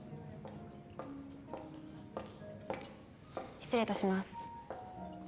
失礼いたします。